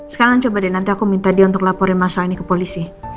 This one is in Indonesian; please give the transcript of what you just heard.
sekarang coba deh nanti aku minta dia untuk laporin masalah ini ke polisi